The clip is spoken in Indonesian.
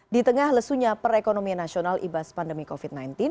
di tengah lesunya perekonomian nasional ibas pandemi covid sembilan belas